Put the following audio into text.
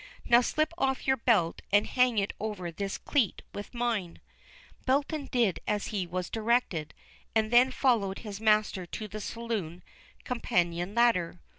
"Now slip off your belt, and hang it over this cleat with mine." Belton did as he was directed, and then followed his master to the saloon companion ladder.